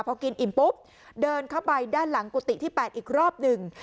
พอกินอิ่มปุ๊บเดินเข้าไปด้านหลังกุฏิที่๘อีกรอบหนึ่ง